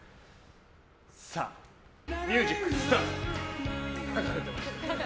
さあ、ミュージックスタート。